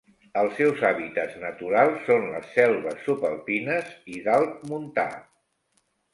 Els seus hàbitats naturals són les selves subalpines i d'alt montà.